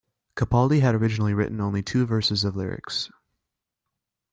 Capaldi had originally written only two verses of lyrics.